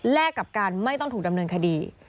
กับการไม่ต้องถูกดำเนินคดี